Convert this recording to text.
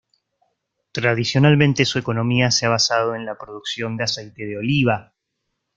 Tradicionalmente su economía se ha basado en la producción de aceite de oliva.